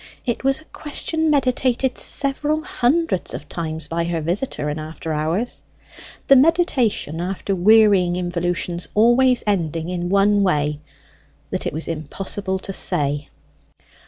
It was a question meditated several hundreds of times by her visitor in after hours the meditation, after wearying involutions, always ending in one way, that it was impossible to say.